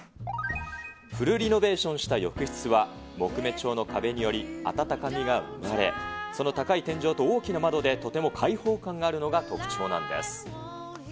フルリノベーションした浴室は木目調の壁により、暖かみが生まれ、その高い天井と大きな窓でとても開放感があるのが特徴なんです。